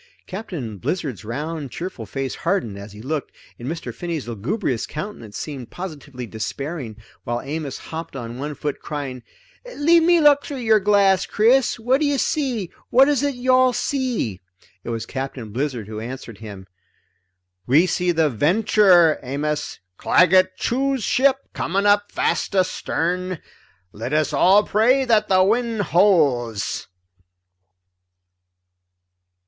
Captain Blizzard's round cheerful face hardened as he looked, and Mr. Finney's lugubrious countenance seemed positively despairing, while Amos hopped on one foot crying: "Leave me look through your glass, Chris! What do you see? What is it you all see?" It was Captain Blizzard who answered him. "We see the Venture, Amos, Claggett Chew's ship, coming up fast astern. Let us all pray that the wind holds."